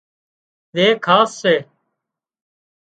زي خاص سي